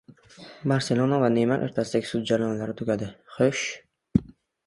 "Barselona" va Neymar o‘rtasidagi sud jarayonlari tugadi. Xo‘sh?